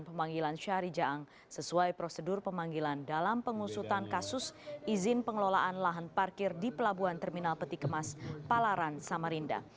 pemanggilan syahri jaang sesuai prosedur pemanggilan dalam pengusutan kasus izin pengelolaan lahan parkir di pelabuhan terminal peti kemas palaran samarinda